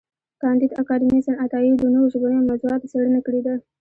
کانديد اکاډميسن عطايي د نوو ژبنیو موضوعاتو څېړنه کړې ده.